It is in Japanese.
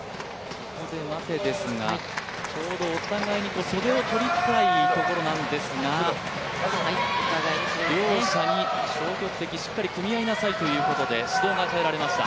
待てですが、お互いに袖を取りたいところなんですが両者に消極的、しっかり組み合いなさいということで指導が与えられました。